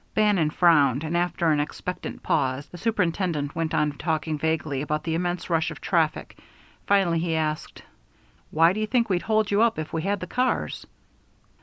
Bannon frowned, and after an expectant pause, the superintendent went on talking vaguely about the immense rush of traffic. Finally he asked, "Why do you think we'd hold you up if we had the cars?"